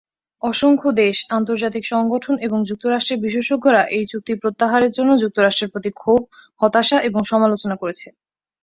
অসংখ্য দেশ, আন্তর্জাতিক সংগঠন এবং যুক্তরাষ্ট্রের বিশেষজ্ঞরা এই চুক্তি প্রত্যাহারের জন্য যুক্তরাষ্ট্রের প্রতি ক্ষোভ, হতাশা এবং সমালোচনা করেছে।